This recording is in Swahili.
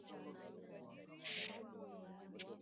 sarekozy alitia sahihi na leo asubuhi